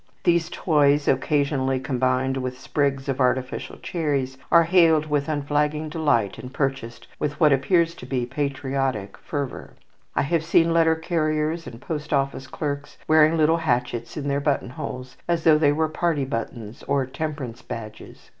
These toys, occasionally combined with sprigs of artificial cherries, are hailed with unflagging delight, and purchased with what appears to be patriotic fervour. I have seen letter carriers and post office clerks wearing little hatchets in their button holes, as though they were party buttons, or temperance badges.